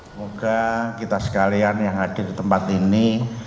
semoga kita sekalian yang hadir di tempat ini